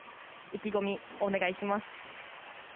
意気込み、お願いします。